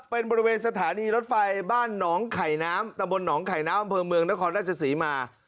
เป็นบริเวณสถานีรถไฟบ้านหนองไข่น้ำตะบนหนองไข่น้ำอำเภอเมืองนครราชศรีมา